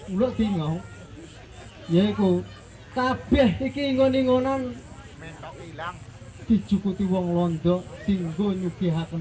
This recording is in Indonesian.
ulo tinggal ya ikut kabeh di ingon ingonan mentok hilang dijukuti wong londo tinggo nyukihakan